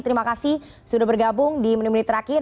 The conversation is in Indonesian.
terima kasih sudah bergabung di menit menit terakhir